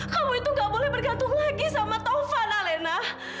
kamu itu enggak boleh bergantung lagi sama tuhan alena